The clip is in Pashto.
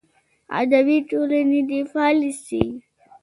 ادبي ټولنې دې فعاله سي.